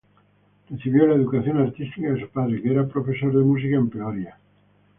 Recibió la educación artística de su padre, que era profesor de música, en Peoria.